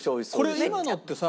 これ今のってさ